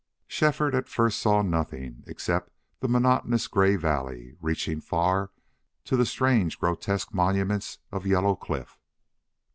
Shefford at first saw nothing except the monotonous gray valley reaching far to the strange, grotesque monuments of yellow cliff.